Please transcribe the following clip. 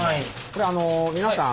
これ皆さん